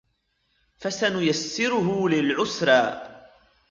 فَسَنُيَسِّرُهُ لِلْعُسْرَى